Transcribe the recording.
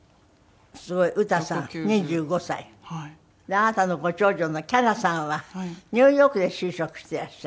あなたのご長女の伽羅さんはニューヨークで就職していらっしゃる？